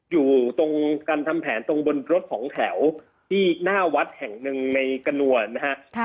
อยู่ตรงการทำแผนตรงบนรถสองแถวที่หน้าวัดแห่งหนึ่งในกระนวลนะฮะ